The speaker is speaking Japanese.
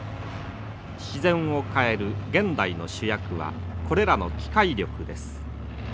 自然を変える現代の主役はこれらの機械力です。